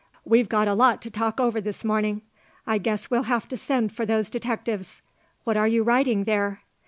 "We've got a lot to talk over this morning. I guess we'll have to send for those detectives. What are you writing there?"